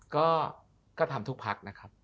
ก็ทำทุกพักนะครับ